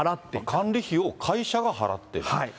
管理費を会社が払っている。